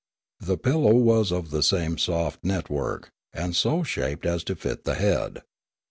The pillow was of the same soft network, and so shaped as to fit the head.